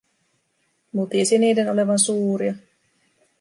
Mutisi niiden olevan suuria.